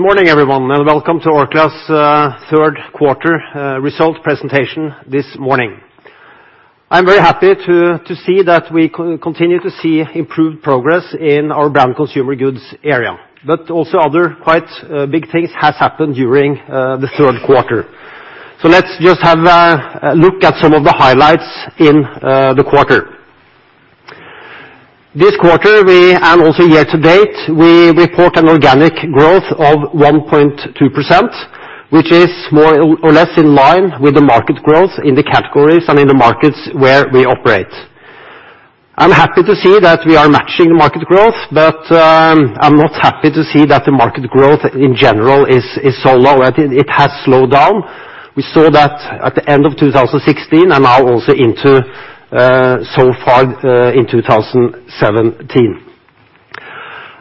Morning, everyone, and welcome to Orkla's third quarter results presentation this morning. I am very happy to see that we continue to see improved progress in our Branded Consumer Goods area, but also other quite big things have happened during the third quarter. Let us just have a look at some of the highlights in the quarter. This quarter, and also year to date, we report an organic growth of 1.2%, which is more or less in line with the market growth in the categories and in the markets where we operate. I am happy to see that we are matching the market growth, but I am not happy to see that the market growth, in general, is so low, and it has slowed down. We saw that at the end of 2016 and now also into so far in 2017.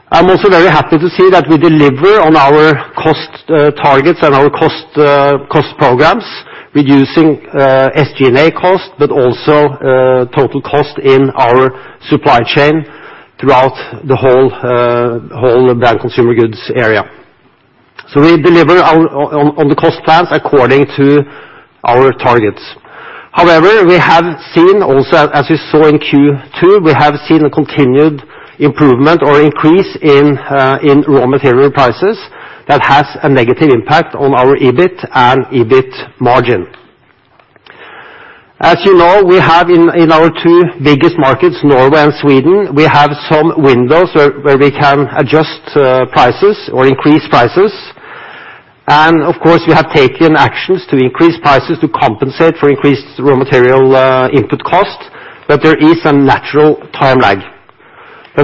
I am also very happy to see that we deliver on our cost targets and our cost programs, reducing SG&A costs, but also total cost in our supply chain throughout the whole Branded Consumer Goods area. We deliver on the cost plans according to our targets. However, we have seen also, as we saw in Q2, we have seen a continued improvement or increase in raw material prices that has a negative impact on our EBIT and EBIT margin. As you know, we have in our two biggest markets, Norway and Sweden, we have some windows where we can adjust prices or increase prices. Of course, we have taken actions to increase prices to compensate for increased raw material input costs, but there is a natural time lag.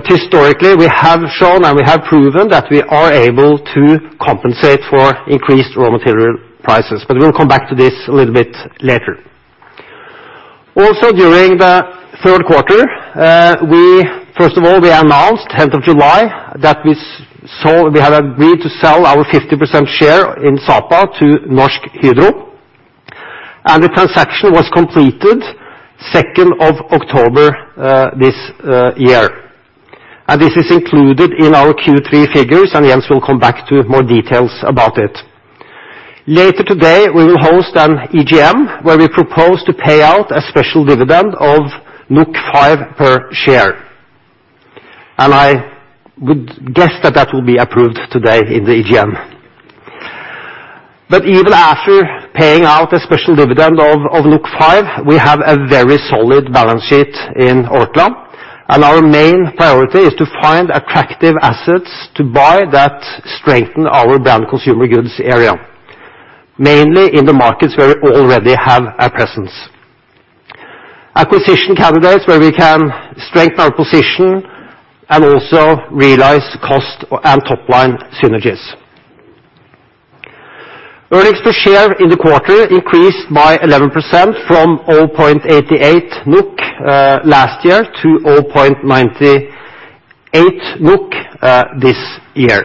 Historically, we have shown and we have proven that we are able to compensate for increased raw material prices, but we will come back to this a little bit later. Also, during the third quarter, first of all, we announced 10th of July that we had agreed to sell our 50% share in Sapa to Norsk Hydro, and the transaction was completed 2nd of October this year. This is included in our Q3 figures, and Jens will come back to more details about it. Later today, we will host an EGM where we propose to pay out a special dividend of 5.00 per share, and I would guess that that will be approved today in the EGM. Even after paying out a special dividend of 5.00, we have a very solid balance sheet in Orkla, and our main priority is to find attractive assets to buy that strengthen our Branded Consumer Goods area, mainly in the markets where we already have a presence. Acquisition candidates where we can strengthen our position and also realize cost and top-line synergies. Earnings per share in the quarter increased by 11% from 0.88 NOK last year to 0.98 NOK this year.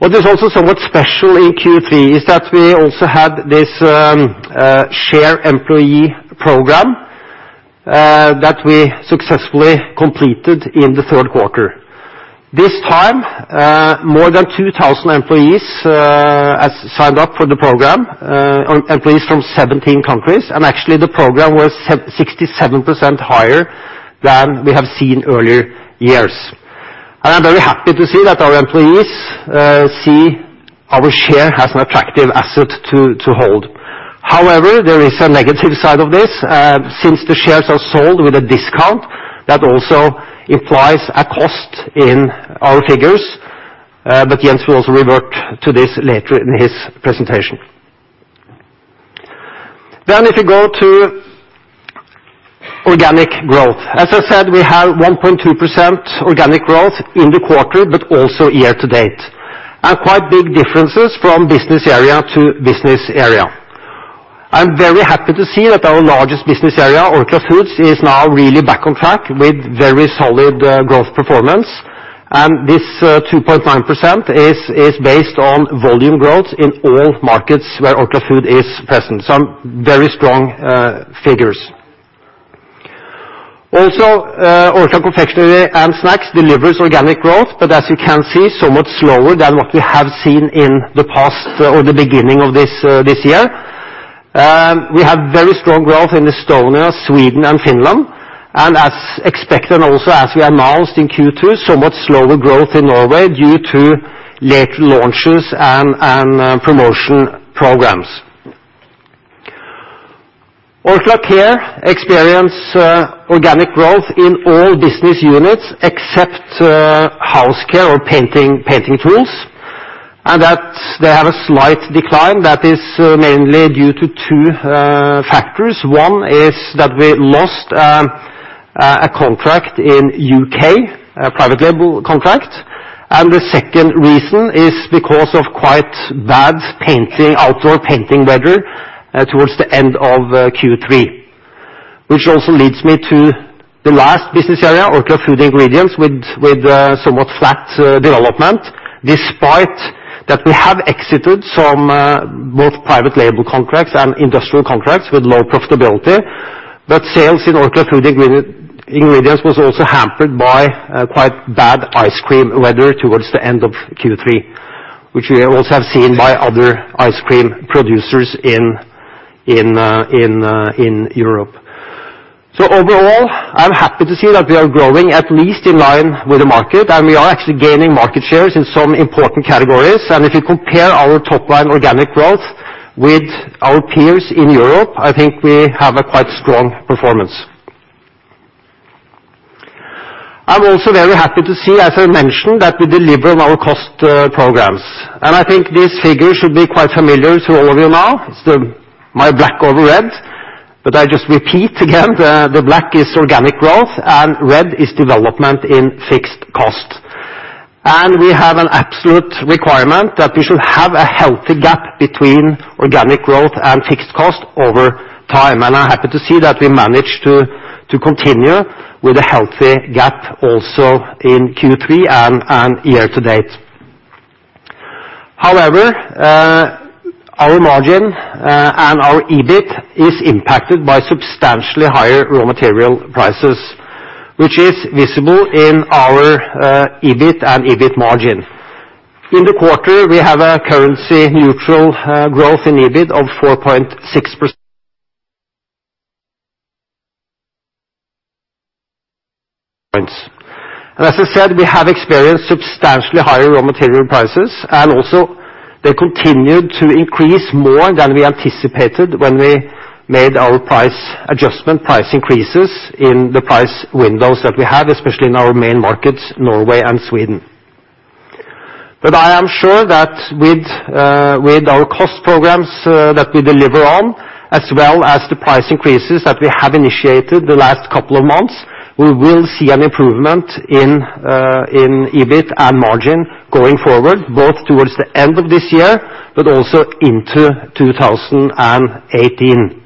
What is also somewhat special in Q3 is that we also had this Shares for Employees program that we successfully completed in the third quarter. This time, more than 2,000 employees signed up for the program, employees from 17 countries. Actually, the program was 67% higher than we have seen earlier years. I'm very happy to see that our employees see our share as an attractive asset to hold. However, there is a negative side of this. Since the shares are sold with a discount, that also implies a cost in our figures, Jens will also revert to this later in his presentation. If you go to organic growth. As I said, we have 1.2% organic growth in the quarter, also year to date. Quite big differences from business area to business area. I'm very happy to see that our largest business area, Orkla Foods, is now really back on track with very solid growth performance. This 2.9% is based on volume growth in all markets where Orkla Foods is present. Some very strong figures. Orkla Confectionery & Snacks delivers organic growth, as you can see, so much slower than what we have seen in the past or the beginning of this year. We have very strong growth in Estonia, Sweden, and Finland. As expected, also as we announced in Q2, so much slower growth in Norway due to late launches and promotion programs. Orkla Care experienced organic growth in all business units except House Care or painting tools. That they have a slight decline that is mainly due to two factors. One is that we lost a contract in U.K., a private label contract. The second reason is because of quite bad outdoor painting weather towards the end of Q3, which also leads me to the last business area, Orkla Food Ingredients, with somewhat flat development, despite that we have exited some both private label contracts and industrial contracts with low profitability. Sales in Orkla Food Ingredients was also hampered by quite bad ice cream weather towards the end of Q3, which we also have seen by other ice cream producers in Europe. Overall, I'm happy to see that we are growing at least in line with the market, and we are actually gaining market shares in some important categories. If you compare our top line organic growth with our peers in Europe, I think we have a quite strong performance. I'm also very happy to see, as I mentioned, that we deliver on our cost programs. I think this figure should be quite familiar to all of you now. It's my black over red, I just repeat again, the black is organic growth and red is development in fixed cost. We have an absolute requirement that we should have a healthy gap between organic growth and fixed cost over time. I'm happy to see that we managed to continue with a healthy gap also in Q3 and year to date. However, our margin and our EBIT is impacted by substantially higher raw material prices, which is visible in our EBIT and EBIT margin. In the quarter, we have a currency neutral growth in EBIT of 4.6 points. As I said, we have experienced substantially higher raw material prices, also they continued to increase more than we anticipated when we made our price adjustment price increases in the price windows that we have, especially in our main markets, Norway and Sweden. I am sure that with our cost programs that we deliver on, as well as the price increases that we have initiated the last couple of months, we will see an improvement in EBIT and margin going forward, both towards the end of this year but also into 2018.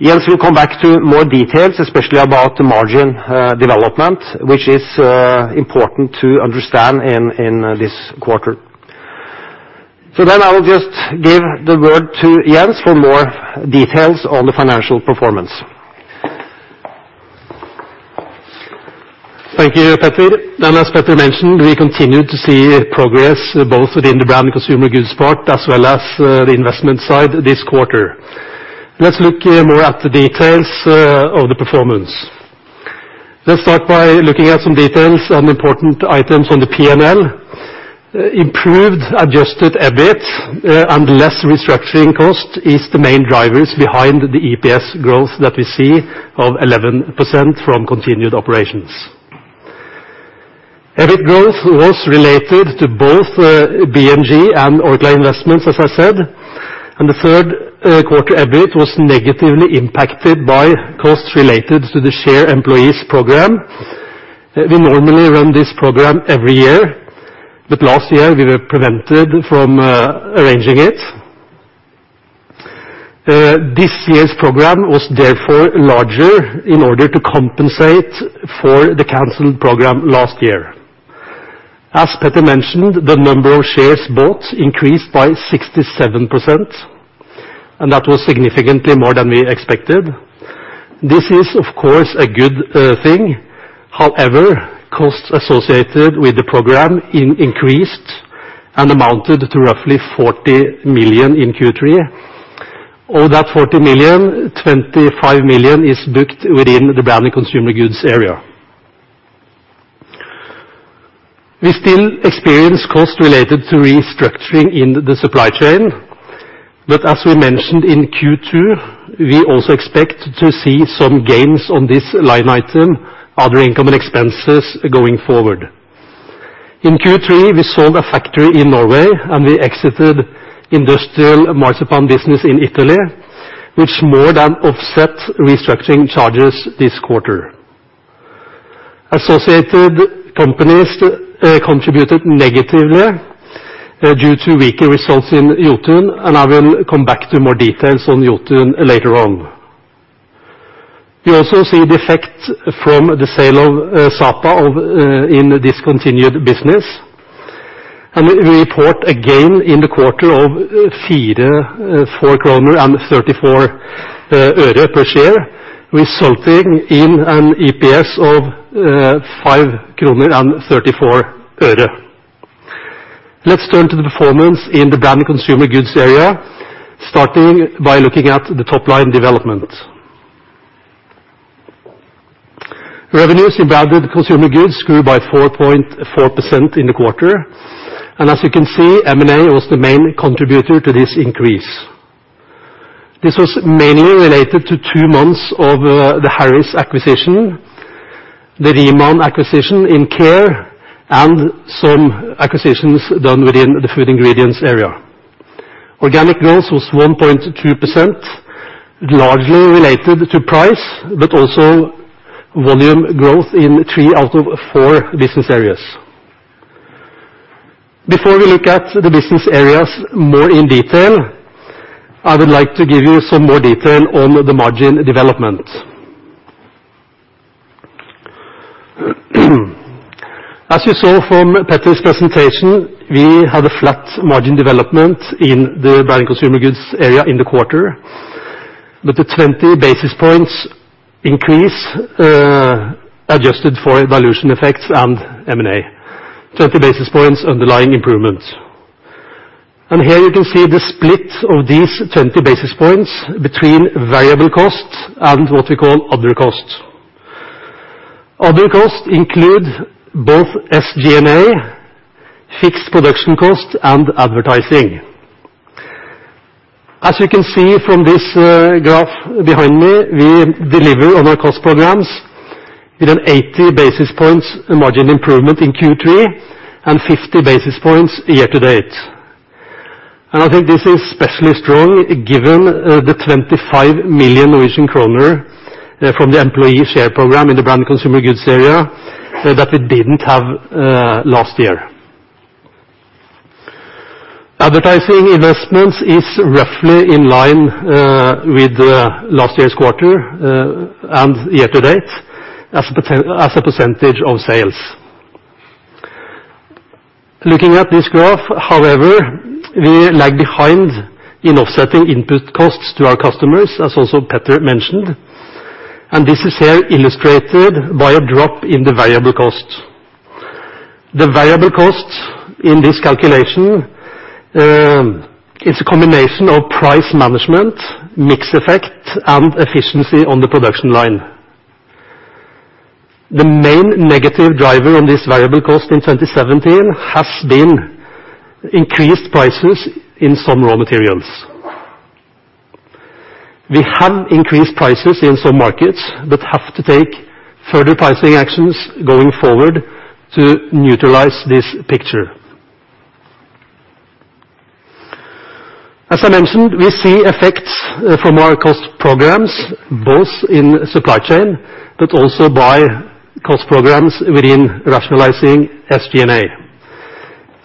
Jens will come back to more details, especially about the margin development, which is important to understand in this quarter. I will just give the word to Jens for more details on the financial performance. Thank you, Peter. As Peter mentioned, we continue to see progress both within the Branded Consumer Goods part as well as the investment side this quarter. Let's look more at the details of the performance. Let's start by looking at some details on important items on the P&L. Improved adjusted EBIT and less restructuring cost is the main drivers behind the EPS growth that we see of 11% from continued operations. EBIT growth was related to both B&G and Orkla Investments, as I said. The third quarter EBIT was negatively impacted by costs related to the Shares for Employees program. We normally run this program every year, but last year we were prevented from arranging it. This year's program was therefore larger in order to compensate for the canceled program last year. As Petter mentioned, the number of shares bought increased by 67%, that was significantly more than we expected. This is, of course, a good thing. Costs associated with the program increased and amounted to roughly 40 million in Q3. Of that 40 million, 25 million is booked within the Branded Consumer Goods area. We still experience cost related to restructuring in the supply chain, but as we mentioned in Q2, we also expect to see some gains on this line item, other income and expenses, going forward. In Q3, we sold a factory in Norway and we exited industrial marzipan business in Italy, which more than offset restructuring charges this quarter. Associated companies contributed negatively due to weaker results in Jotun, I will come back to more details on Jotun later on. We also see the effect from the sale of Sapa in discontinued business, we report a gain in the quarter of 4.34 kroner per share, resulting in an EPS of 5.34 kroner. Let's turn to the performance in the Branded Consumer Goods area, starting by looking at the top-line development. Revenues in Branded Consumer Goods grew by 4.4% in the quarter, as you can see, M&A was the main contributor to this increase. This was mainly related to two months of the Harris acquisition, the Riemann acquisition in Care, and some acquisitions done within the Food Ingredients area. Organic growth was 1.2%, largely related to price, also volume growth in three out of four business areas. Before we look at the business areas more in detail, I would like to give you some more detail on the margin development. As you saw from Peter's presentation, we had a flat margin development in the Branded Consumer Goods area in the quarter, but a 20 basis points increase, adjusted for dilution effects and M&A. 20 basis points underlying improvement. Here you can see the split of these 20 basis points between variable costs and what we call other costs. Other costs include both SG&A, fixed production costs, and advertising. As you can see from this graph behind me, we deliver on our cost programs with an 80 basis points margin improvement in Q3 and 50 basis points year-to-date. I think this is especially strong given the 25 million Norwegian kroner from the Shares for Employees program in the Branded Consumer Goods area that we didn't have last year. Advertising investments is roughly in line with last year's quarter and year-to-date as a percentage of sales. Looking at this graph, however, we lag behind in offsetting input costs to our customers, as also Petter mentioned, and this is here illustrated by a drop in the variable cost. The variable cost in this calculation is a combination of price management, mix effect, and efficiency on the production line. The main negative driver on this variable cost in 2017 has been increased prices in some raw materials. We have increased prices in some markets, but have to take further pricing actions going forward to neutralize this picture. As I mentioned, we see effects from our cost programs both in supply chain, but also by cost programs within rationalizing SG&A.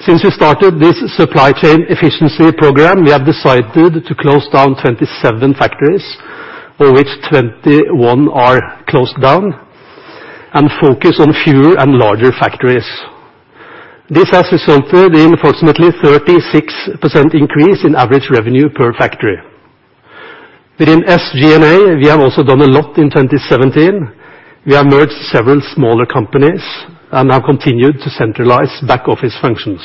Since we started this supply chain efficiency program, we have decided to close down 27 factories, of which 21 are closed down, and focus on fewer and larger factories. This has resulted in fortunately 36% increase in average revenue per factory. Within SG&A, we have also done a lot in 2017. We have merged several smaller companies and have continued to centralize back office functions.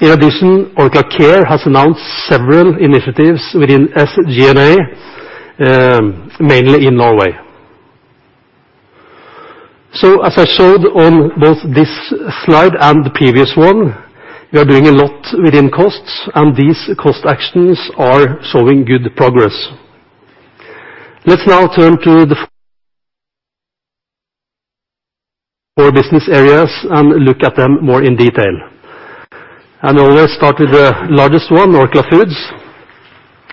In addition, Orkla Care has announced several initiatives within SG&A, mainly in Norway. As I showed on both this slide and the previous one, we are doing a lot within costs, and these cost actions are showing good progress. Let's now turn to the four business areas and look at them more in detail. We will start with the largest one, Orkla Foods.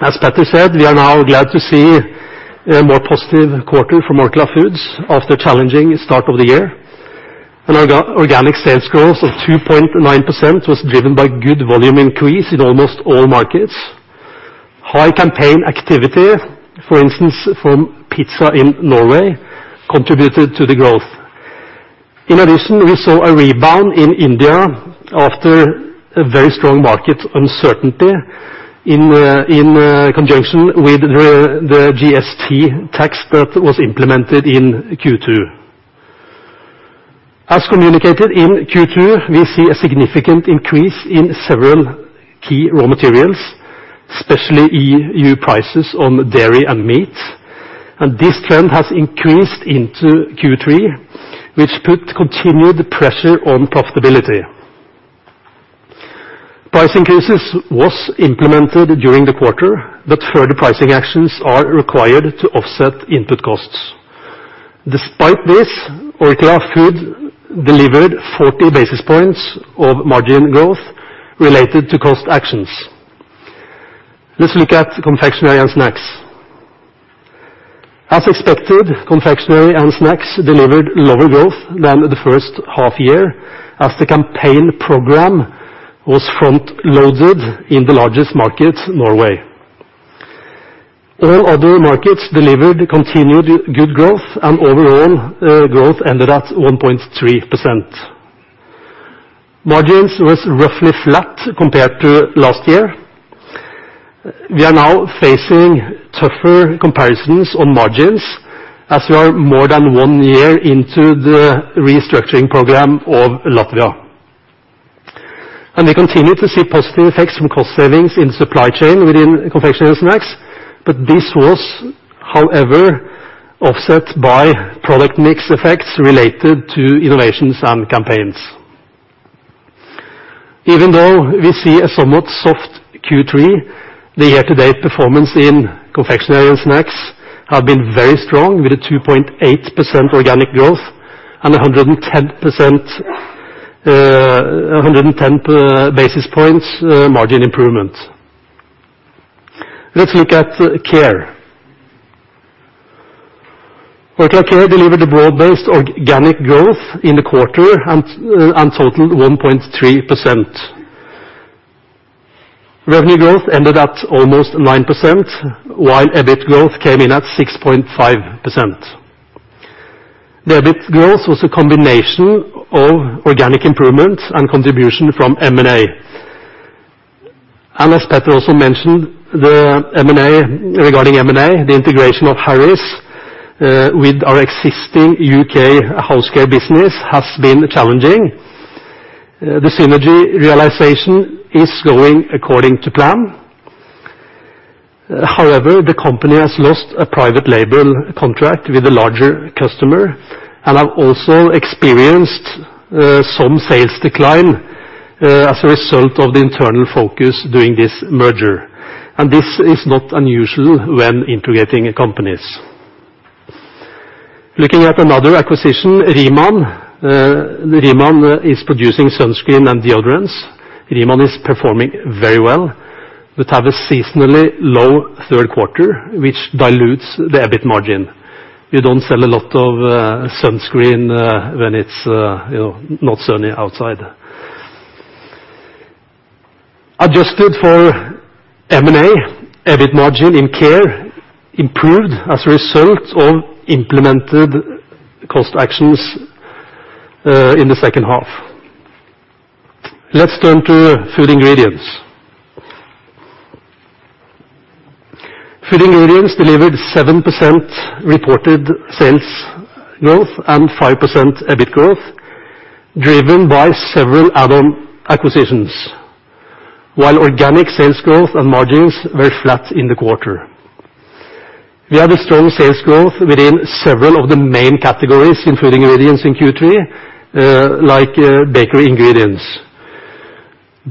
As Petter said, we are now glad to see a more positive quarter from Orkla Foods after a challenging start of the year. Organic sales growth of 2.9% was driven by good volume increase in almost all markets. High campaign activity, for instance, from Grandiosa in Norway, contributed to the growth. In addition, we saw a rebound in India after a very strong market uncertainty in conjunction with the GST tax that was implemented in Q2. As communicated in Q2, we see a significant increase in several key raw materials, especially EU prices on dairy and meat. This trend has increased into Q3, which put continued pressure on profitability. Price increases was implemented during the quarter, but further pricing actions are required to offset input costs. Despite this, Orkla Foods delivered 40 basis points of margin growth related to cost actions. Let's look at Orkla Confectionery & Snacks. As expected, Orkla Confectionery & Snacks delivered lower growth than the first half year as the campaign program was front-loaded in the largest market, Norway. All other markets delivered continued good growth and overall growth ended at 1.3%. Margins was roughly flat compared to last year. We are now facing tougher comparisons on margins as we are more than one year into the restructuring program of Latvia. We continue to see positive effects from cost savings in supply chain within Orkla Confectionery & Snacks, but this was, however, offset by product mix effects related to innovations and campaigns. Even though we see a somewhat soft Q3, the year-to-date performance in Orkla Confectionery & Snacks have been very strong with a 2.8% organic growth and 110 basis points margin improvement. Let's look at Orkla Care. Orkla Care delivered a broad-based organic growth in the quarter and totaled 1.3%. Revenue growth ended at almost 9%, while EBIT growth came in at 6.5%. The EBIT growth was a combination of organic improvements and contribution from M&A. As Peter also mentioned, regarding M&A, the integration of Harris with our existing U.K. House Care business has been challenging. The synergy realization is going according to plan. However, the company has lost a private label contract with a larger customer and have also experienced some sales decline as a result of the internal focus during this merger. This is not unusual when integrating companies. Looking at another acquisition, Riemann. Riemann is producing sunscreen and deodorants. Riemann is performing very well, but have a seasonally low third quarter, which dilutes the EBIT margin. We don't sell a lot of sunscreen when it's not sunny outside. Adjusted for M&A, EBIT margin in Orkla Care improved as a result of implemented cost actions in the second half. Let's turn to Orkla Food Ingredients. Orkla Food Ingredients delivered 7% reported sales growth and 5% EBIT growth, driven by several add-on acquisitions. Organic sales growth and margins were flat in the quarter. We had a strong sales growth within several of the main categories in Orkla Food Ingredients in Q3, like bakery ingredients.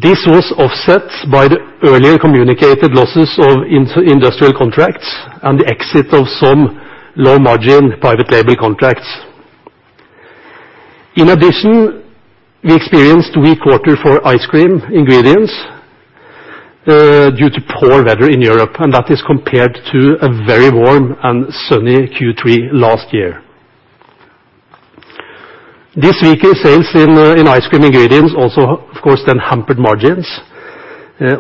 This was offset by the earlier communicated losses of industrial contracts and the exit of some low-margin private label contracts. In addition, we experienced weak quarter for ice cream ingredients, due to poor weather in Europe, and that is compared to a very warm and sunny Q3 last year. This weaker sales in ice cream ingredients also, of course, then hampered margins.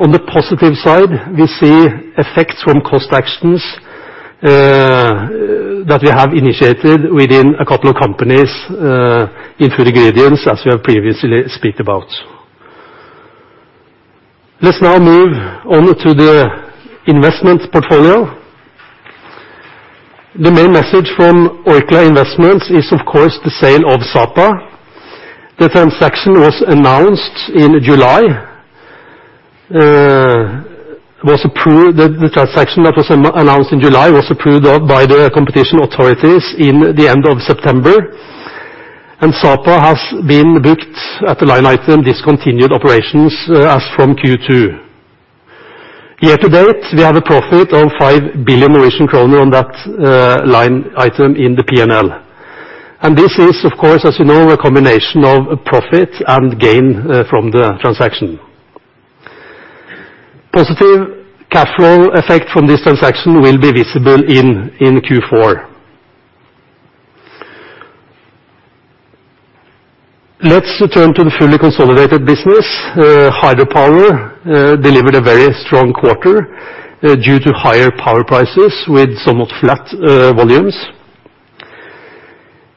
On the positive side, we see effects from cost actions that we have initiated within a couple of companies in Orkla Food Ingredients, as we have previously speak about. Let's now move on to the Orkla Investments portfolio. The main message from Orkla Investments is, of course, the sale of Sapa. The transaction that was announced in July was approved by the competition authorities in the end of September, and Sapa has been booked at the line item discontinued operations as from Q2. Year to date, we have a profit of 5 billion Norwegian kroner on that line item in the P&L. This is, of course, as you know, a combination of profit and gain from the transaction. Positive cash flow effect from this transaction will be visible in Q4. Let's turn to the fully consolidated business. Hydro Power delivered a very strong quarter due to higher power prices with somewhat flat volumes.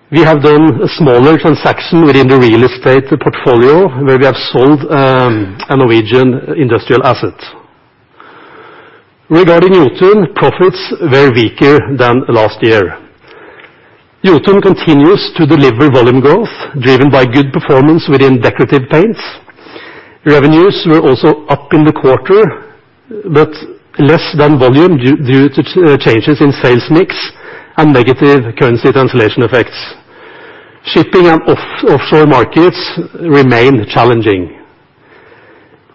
We have done a smaller transaction within the real estate portfolio, where we have sold a Norwegian industrial asset. Regarding Jotun, profits were weaker than last year. Jotun continues to deliver volume growth, driven by good performance within decorative paints. Revenues were also up in the quarter, but less than volume due to changes in sales mix and negative currency translation effects. Shipping and offshore markets remain challenging.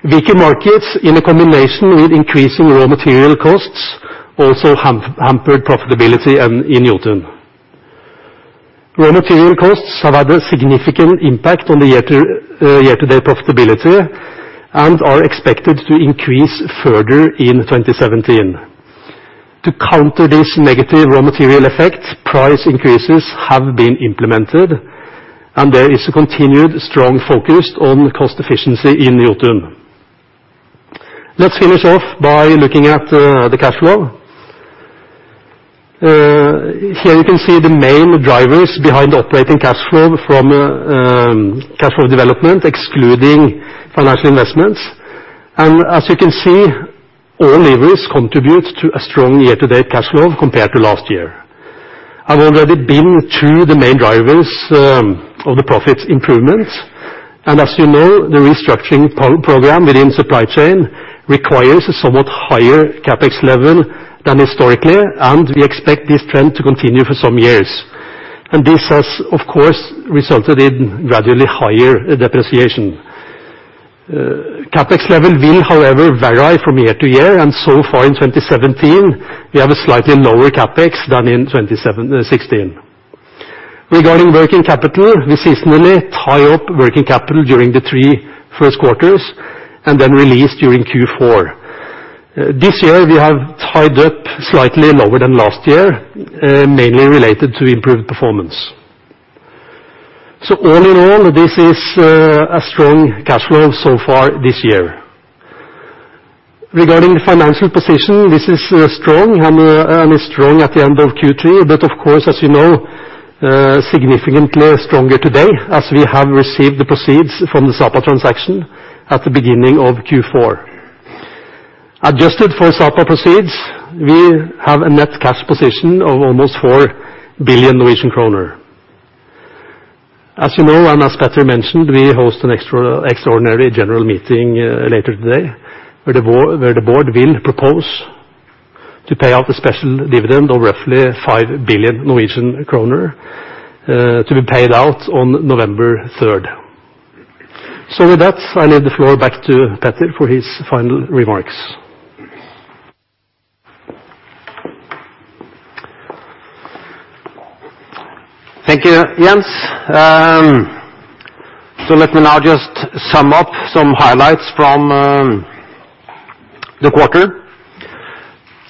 Weaker markets in a combination with increasing raw material costs also hampered profitability in Jotun. Raw material costs have had a significant impact on the year-to-date profitability and are expected to increase further in 2017. To counter this negative raw material effect, price increases have been implemented, and there is a continued strong focus on cost efficiency in Jotun. Let's finish off by looking at the cash flow. Here you can see the main drivers behind operating cash flow from cash flow development excluding financial investments. As you can see, all levers contribute to a strong year-to-date cash flow compared to last year. I've already been through the main drivers of the profits improvements. As you know, the restructuring program within supply chain requires a somewhat higher CapEx level than historically, and we expect this trend to continue for some years. This has, of course, resulted in gradually higher depreciation. CapEx level will, however, vary from year to year, and so far in 2017, we have a slightly lower CapEx than in 2016. Regarding working capital, we seasonally tie up working capital during the three first quarters and then release during Q4. All in all, this is a strong cash flow so far this year. Regarding the financial position, this is strong and is strong at the end of Q3, but of course, as you know, significantly stronger today as we have received the proceeds from the Sapa transaction at the beginning of Q4. Adjusted for Sapa proceeds, we have a net cash position of almost 4 billion Norwegian kroner. As you know, and as Petter mentioned, we host an extraordinary general meeting later today, where the board will propose to pay out a special dividend of roughly 5 billion Norwegian kroner to be paid out on November 3rd. With that, I leave the floor back to Petter for his final remarks. Thank you, Jens. Let me now just sum up some highlights from the quarter.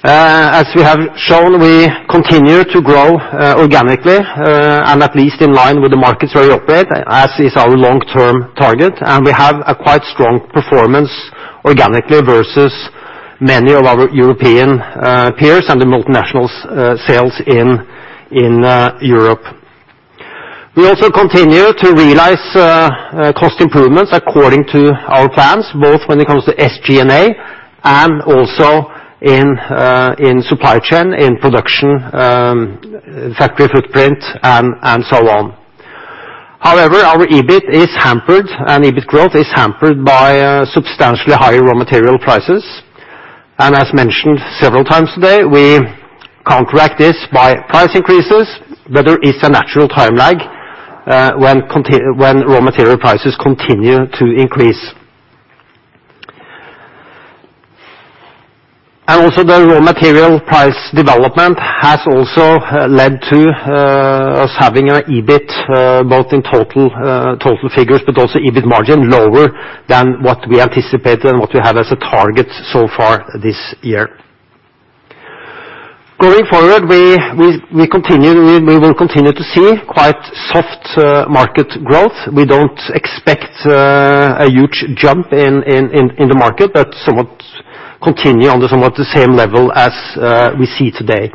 As we have shown, we continue to grow organically, at least in line with the markets where we operate, as is our long-term target, and we have a quite strong performance organically versus many of our European peers and the multinationals' sales in Europe. We also continue to realize cost improvements according to our plans, both when it comes to SG&A and also in supply chain, in production, factory footprint, and so on. However, our EBIT is hampered and EBIT growth is hampered by substantially higher raw material prices. As mentioned several times today, we counteract this by price increases, but there is a natural time lag when raw material prices continue to increase. The raw material price development has also led to us having our EBIT, both in total figures, but also EBIT margin, lower than what we anticipated and what we have as a target so far this year. Going forward, we will continue to see quite soft market growth. We don't expect a huge jump in the market, but somewhat continue on somewhat the same level as we see today.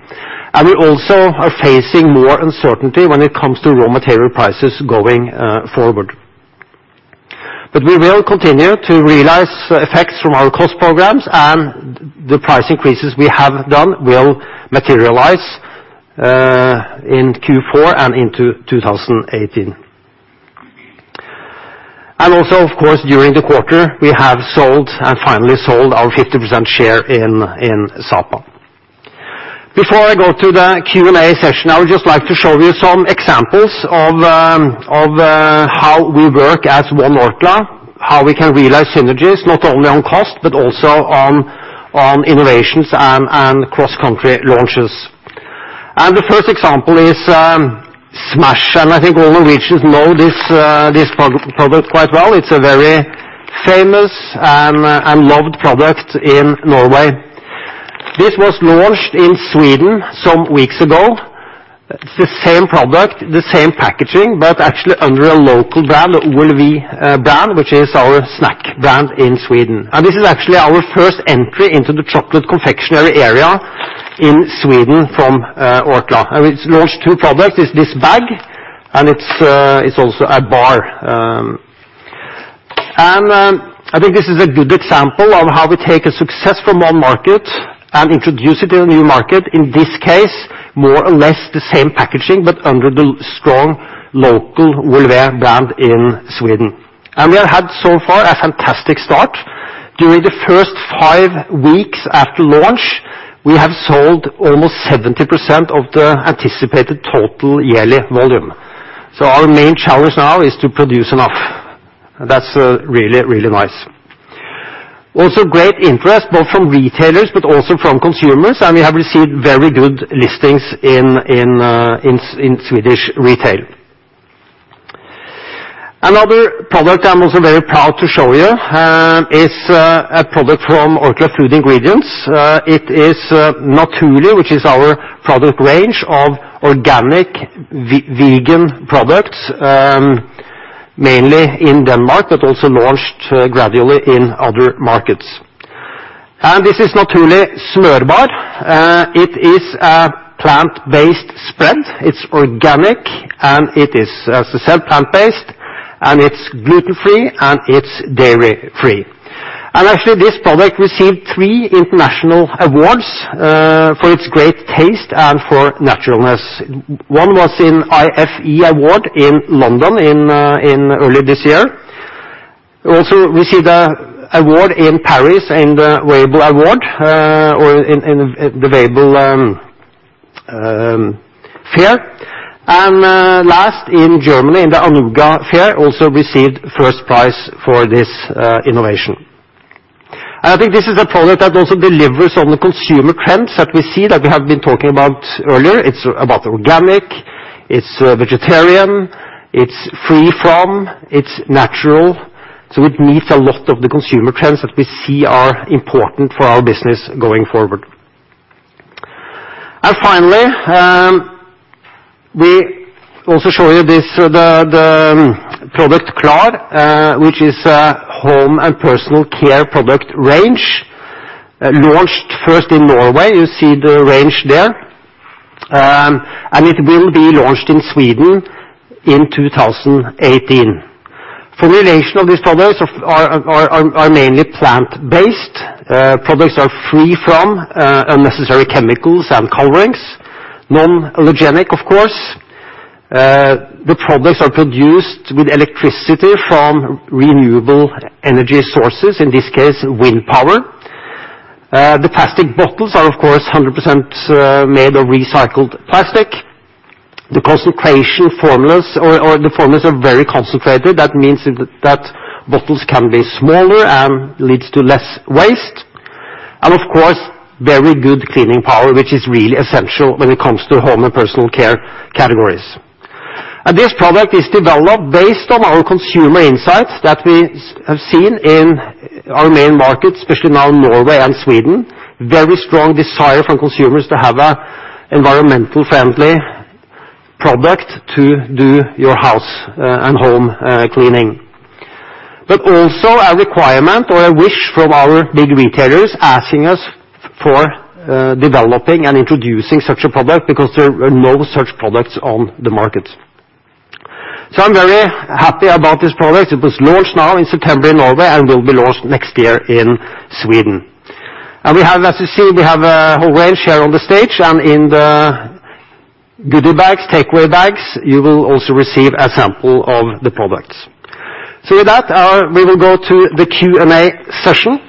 We also are facing more uncertainty when it comes to raw material prices going forward. We will continue to realize effects from our cost programs, and the price increases we have done will materialize in Q4 and into 2018. Also, of course, during the quarter, we have sold and finally sold our 50% share in Sapa. Before I go to the Q&A session, I would just like to show you some examples of how we work as one Orkla, how we can realize synergies, not only on cost, but also on innovations and cross-country launches. The first example is Smash! I think all Norwegians know this product quite well. It's a very famous and loved product in Norway. This was launched in Sweden some weeks ago. It's the same product, the same packaging, but actually under a local brand, the OLW brand, which is our snack brand in Sweden. This is actually our first entry into the chocolate confectionery area in Sweden from Orkla. We've launched two products. It's this bag, and it's also a bar. I think this is a good example of how we take a success from one market and introduce it in a new market. In this case, more or less the same packaging, but under the strong local OLW brand in Sweden. We have had so far a fantastic start. During the first five weeks after launch, we have sold almost 70% of the anticipated total yearly volume. Our main challenge now is to produce enough. That's really, really nice. Also great interest, both from retailers but also from consumers, and we have received very good listings in Swedish retail. Another product I'm also very proud to show you is a product from Orkla Food Ingredients. It is Naturli', which is our product range of organic, vegan products, mainly in Denmark, but also launched gradually in other markets. This is Naturli' Smørbar. It is a plant-based spread. It's organic, and it is, as I said, plant-based, and it's gluten-free, and it's dairy-free. Actually, this product received three international awards for its great taste and for naturalness. One was in IFE Award in London early this year. Also received an award in Paris in the SIAL Innovation Award, or in the SIAL Fair. Last, in Germany, in the Anuga Fair, also received first prize for this innovation. I think this is a product that also delivers on the consumer trends that we see, that we have been talking about earlier. It's about organic, it's vegetarian, it's free from, it's natural. It meets a lot of the consumer trends that we see are important for our business going forward. Finally, we also show you the product Klar, which is a home and personal care product range launched first in Norway. You see the range there. It will be launched in Sweden in 2018. Formulation of these products are mainly plant-based. Products are free from unnecessary chemicals and colorings. Non-allergenic, of course. The products are produced with electricity from renewable energy sources, in this case, wind power. The plastic bottles are, of course, 100% made of recycled plastic. The formulas are very concentrated, that means that bottles can be smaller and leads to less waste. Of course, very good cleaning power, which is really essential when it comes to home and personal care categories. This product is developed based on our consumer insights that we have seen in our main markets, especially now in Norway and Sweden. Very strong desire from consumers to have a environmental-friendly product to do your house and home cleaning. Also a requirement or a wish from our big retailers asking us for developing and introducing such a product, because there are no such products on the market. I'm very happy about this product. It was launched now in September in Norway and will be launched next year in Sweden. As you see, we have a whole range here on the stage and in the goodie bags, takeaway bags, you will also receive a sample of the products. With that, we will go to the Q&A session.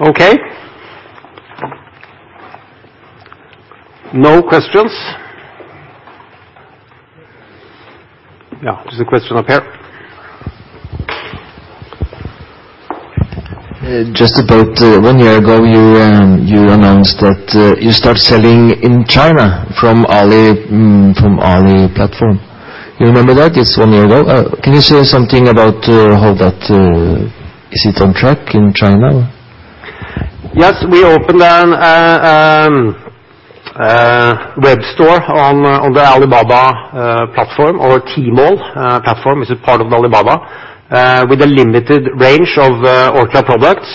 Okay. No questions? Yeah. There's a question up here. Just about one year ago, you announced that you start selling in China from Alibaba platform. You remember that? It's one year ago. Can you say something about how that Is it on track in China? Yes. We opened an web store on the Alibaba platform or Tmall platform, which is part of Alibaba, with a limited range of Orkla products.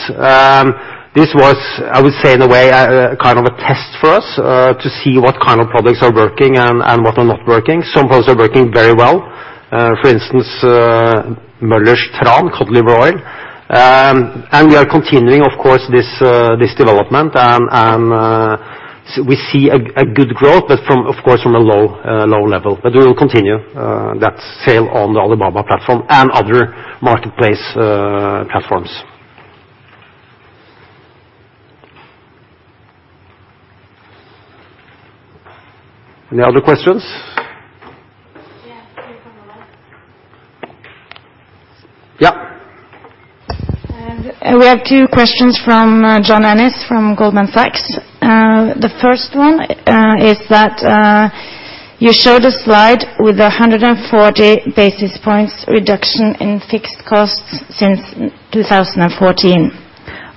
This was, I would say, in a way, a kind of a test for us, to see what kind of products are working and what are not working. Some products are working very well. For instance, Möller's Tran cod liver oil. We are continuing, of course, this development, and we see a good growth, but of course, from a low level. We will continue that sale on the Alibaba platform and other marketplace platforms. Any other questions? Yeah, here on the left. Yeah. We have two questions from John Ennis from Goldman Sachs. The first one is that you showed a slide with 140 basis points reduction in fixed costs since 2014.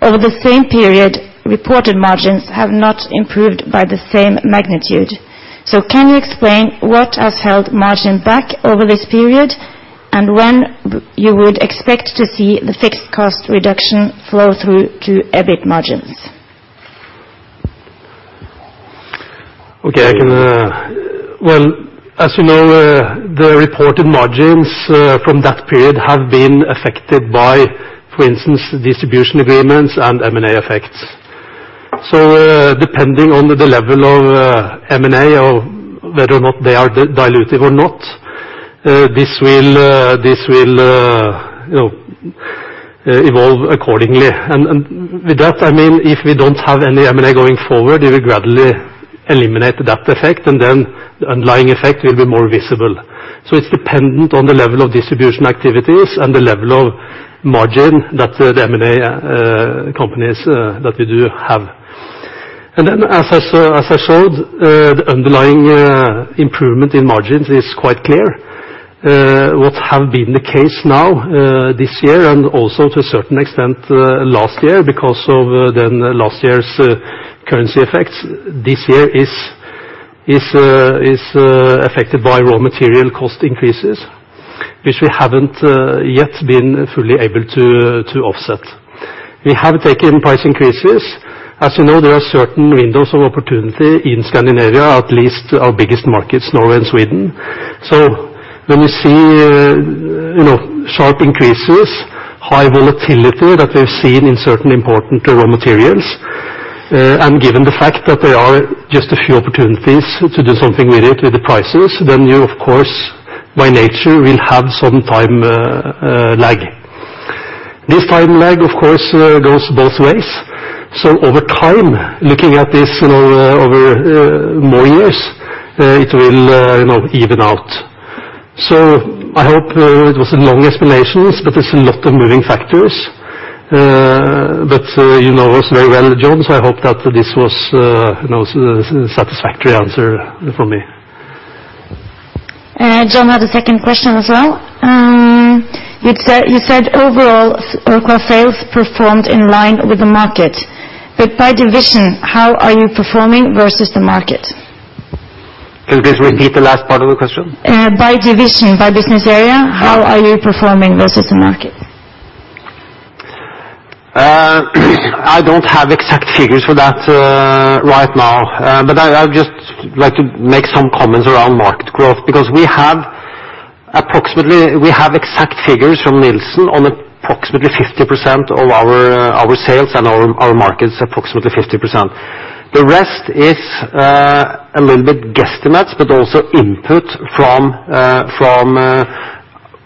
Over the same period, reported margins have not improved by the same magnitude. Can you explain what has held margin back over this period, and when you would expect to see the fixed cost reduction flow through to EBIT margins? Okay. Well, as you know, the reported margins from that period have been affected by, for instance, distribution agreements and M&A effects. Depending on the level of M&A or whether or not they are dilutive or not, this will evolve accordingly. With that, I mean, if we don't have any M&A going forward, it will gradually eliminate that effect, and then underlying effect will be more visible. It's dependent on the level of distribution activities and the level of margin that the M&A companies that we do have. Then, as I showed, the underlying improvement in margins is quite clear. What have been the case now this year and also to a certain extent last year, because of then last year's currency effects, this year is affected by raw material cost increases, which we haven't yet been fully able to offset. We have taken price increases. As you know, there are certain windows of opportunity in Scandinavia, at least our biggest markets, Norway and Sweden. When you see sharp increases, high volatility that we've seen in certain important raw materials, and given the fact that there are just a few opportunities to do something with it, with the prices, then you, by nature, will have some time lag. This time lag, of course, goes both ways. Over time, looking at this over more years, it will even out. I hope it was a long explanation, but there's a lot of moving factors. You know us very well, John, I hope that this was a satisfactory answer for me. John had a second question as well. You said overall Orkla sales performed in line with the market. By division, how are you performing versus the market? Can you please repeat the last part of the question? By division, by business area, how are you performing versus the market? I don't have exact figures for that right now. I just like to make some comments around market growth, because we have exact figures from Nielsen on approximately 50% of our sales and our market's approximately 50%. The rest is a little bit guesstimates, but also input from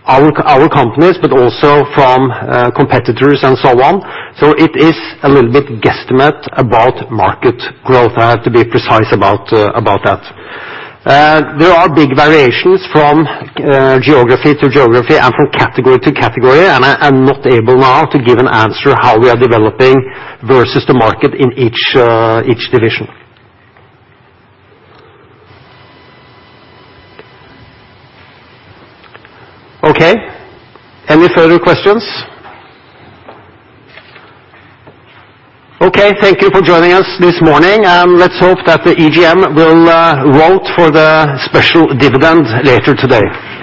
our companies, but also from competitors and so on. It is a little bit guesstimate about market growth. I have to be precise about that. There are big variations from geography to geography and from category to category, and I'm not able now to give an answer how we are developing versus the market in each division. Okay, any further questions? Okay, thank you for joining us this morning, and let's hope that the EGM will vote for the special dividend later today.